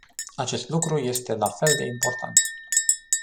Acest lucru este la fel de important.